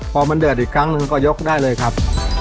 พอมันเดือดอีกครั้งหนึ่งก็ยกได้เลยครับ